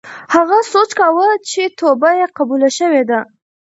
هغه سوچ کاوه چې توبه یې قبوله شوې ده.